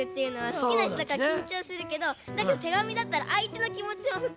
好きな人だからきんちょうするけどだけど手紙だったらあいてのきもちをふくんでかけるから。